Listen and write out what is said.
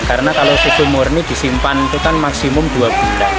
karena kalau susu murni disimpan itu kan maksimum dua bulan